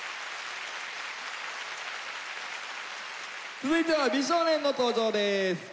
続いては美少年の登場です。